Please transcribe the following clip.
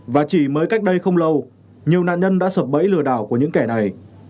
và chỉ mới cách đây không lâu nhiều nạn nhân đã sập bẫy lừa đảo của những kẻ này